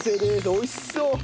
おいしそう！